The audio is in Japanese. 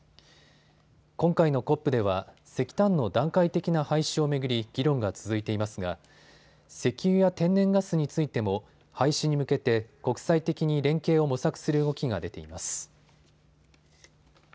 今回のＣＯＰでは石炭の段階的な廃止を巡り議論が続いていますが石油や天然ガスについても廃止に向けて国際的に連携を模索する動きが出ています。